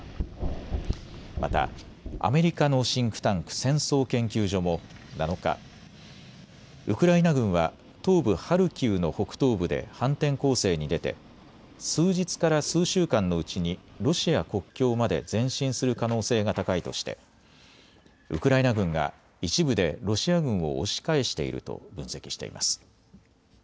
またアメリカのシンクタンク、戦争研究所も７日、ウクライナ軍は東部ハルキウの北東部で反転攻勢に出て数日から数週間のうちにロシア国境まで前進する可能性が高いとしてウクライナ軍が一部でロシア軍を押し返していると分析しています。